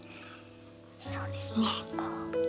そうですねこう。